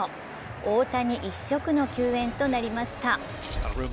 大谷一色の球宴となりました。